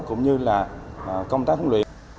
cũng như là công tác huấn luyện